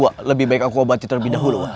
wa lebih baik aku obat ditar lebih dahulu